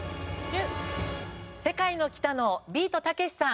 世界の北野ビートたけしさん。